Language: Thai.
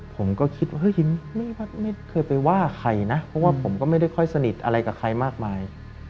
ผมก็คิดว่าเฮ้ยไม่เคยไปว่าใครนะเพราะว่าผมก็ไม่ได้ค่อยสนิทอะไรกับใครมากมาย